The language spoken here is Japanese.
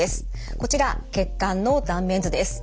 こちら血管の断面図です。